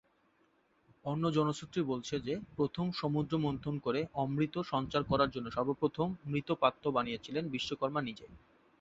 অন্য জনশ্রুতি বলছে যে, প্রথম সমুদ্র মন্থন করে অমৃত সঞ্চার করার জন্যে সর্বপ্রথম মৃৎপাত্র বানিয়েছিলেন বিশ্বকর্মা নিজে।